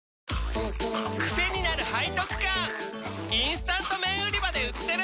チキンかじり虫インスタント麺売り場で売ってる！